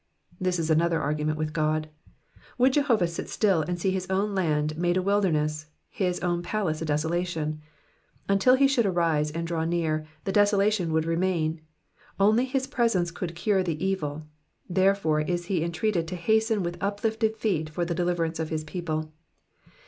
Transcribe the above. This is another argument with God. Would Jehovah sit still and see his own land made a wilderness, his own palace a desolation ? Until be should Digitized by VjOOQIC PSALM THE SEVEKTY FOURTn. 309 arSse, and draw near, the desolation wouM remain ; only liis presence could cure the evil, therefore is he entreated to hasten with uplifted feet for the deliverance of his people.